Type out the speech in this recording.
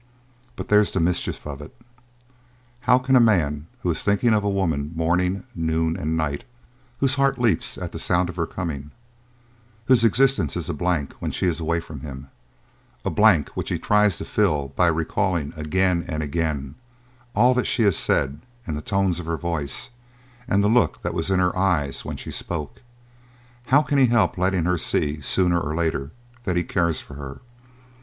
But there's the mischief of it. How can a man who is thinking of a woman morning, noon and night; whose heart leaps at the sound of her coming, whose existence is a blank when she is away from him a blank which he tries to fill by recalling, again and again, all that she has said and the tones of her voice, and the look that was in her eyes when she spoke how can he help letting her see, sooner or later, that he cares for her?